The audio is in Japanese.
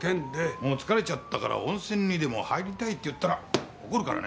もう疲れちゃったから温泉にでも入りたいって言ったら怒るからね。